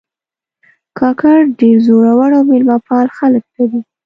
کاکړ ډېر زړور او میلمهپال خلک لري.